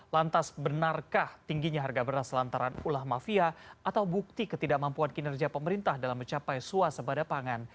lantas benarkah tingginya harga beras lantaran ulah mafia atau bukti ketidakmampuan kinerja pemerintah dalam mencapai suasebada pangan